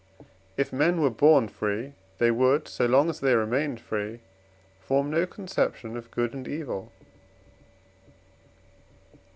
If men were born free, they would, so long as they remained free, form no conception of good and evil.